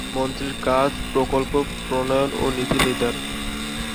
মন্ত্রীর কাজ প্রকল্প প্রণয়ন ও নীতি নির্ধারণ।